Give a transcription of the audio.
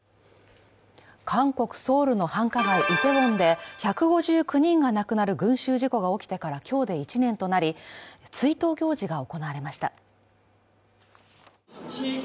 韓国ソウルの繁華街、イテウォンで１５９人が亡くなる群集事故が起きてから今日で１年となり追悼行事が行われました。